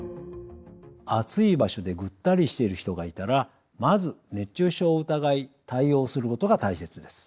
暑い場所でぐったりしている人がいたらまず熱中症を疑い対応することが大切です。